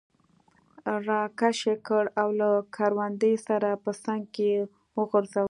را کش یې کړ او له کروندې سره په څنګ کې یې وغورځاوه.